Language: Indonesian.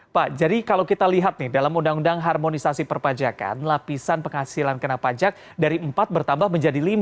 pak jadi kalau kita lihat nih dalam undang undang harmonisasi perpajakan lapisan penghasilan kena pajak dari empat bertambah menjadi lima